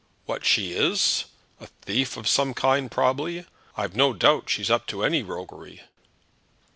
"What she is? A thief of some kind probably. I've no doubt she's up to any roguery."